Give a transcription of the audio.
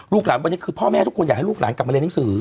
หลานวันนี้คือพ่อแม่ทุกคนอยากให้ลูกหลานกลับมาเรียนหนังสือ